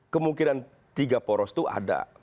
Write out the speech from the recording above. kemungkinan tiga poros itu ada